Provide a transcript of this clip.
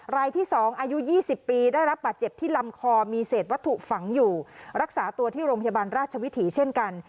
รายที่๒อายุ๒๐ปีได้รับบาดเจ็บที่ลำคอมีเศษวัตถุฝังอยู่รักษาตัวที่โรงพยาบาลราชวิถีเช่นกัน